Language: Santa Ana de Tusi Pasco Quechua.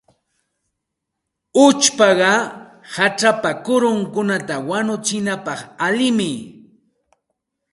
Uchpaqa hachapa kurunkunata wanuchinapaq allinmi.